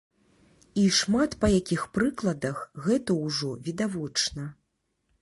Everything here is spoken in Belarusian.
І шмат па якіх прыкладах гэта ўжо відавочна.